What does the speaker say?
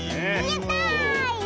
やった！